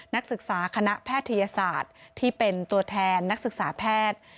นักศึกษาคณะแพทยศาสตร์ที่เป็นตัวแทนนักศึกษาแพทย์